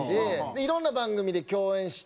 いろんな番組で共演して。